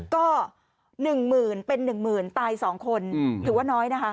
ก็๑หมื่นเป็น๑๐๐๐ตาย๒คนถือว่าน้อยนะคะ